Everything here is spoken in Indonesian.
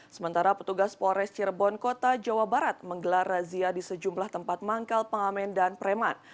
sementara petugas polres cirebon kota jawa barat menggelar razia di sejumlah tempat manggal pengamen dan preman